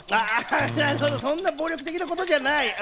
そんな暴力的なことじゃない！